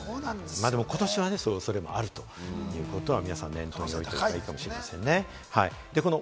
でも今年はそういう恐れもあるということは皆さん考えておいた方がいいかもしれませんね。